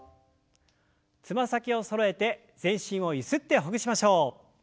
つま先をそろえて全身をゆすってほぐしましょう。